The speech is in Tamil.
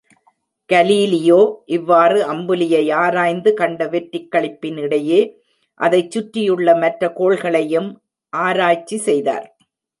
கலீலியோ இவ்வாறு அம்புலியை ஆராய்ந்து கண்ட வெற்றிக் களிப்பின் இடையே, அதைச்சுற்றியுள்ள மற்ற கோள்களையும் ஆராய்ச்சி செய்தார்.